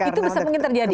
itu bisa mungkin terjadi